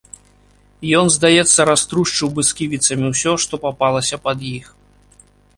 Ён, здаецца, раструшчыў бы сківіцамі ўсё, што папалася пад іх.